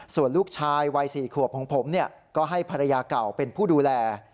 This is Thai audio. ส่วนลูกชายวัย๔ขวบของผมก็ให้ภรรยาเก่าเป็นผู้ดูแล